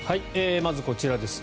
まずこちらですね